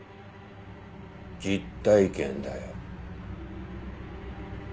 実体験だよ。